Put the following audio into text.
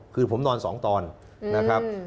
คือผมนอน๒ตอนนะครับ